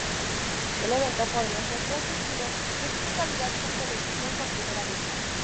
El evento podría ser transmitido en su totalidad por televisión por primera vez.